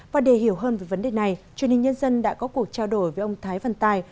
và để hiểu hơn về vấn đề này truyền hình nhân dân đã có cuộc trao đổi với ông thái văn tài